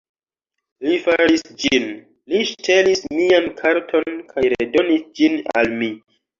Li faris ĝin, li ŝtelis mian karton kaj redonis ĝin al mi